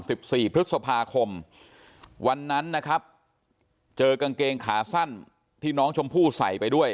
สิบสี่พฤษภาคมวันนั้นนะครับเจอกางเกงขาสั้นที่น้องชมพู่ใส่ไปด้วย